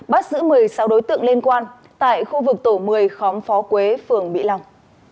bắt giữ một mươi sáu đối tượng liên quan tại khu vực tổ một mươi khóm phó quế phường mỹ long